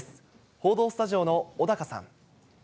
報道スタジオの小高さん。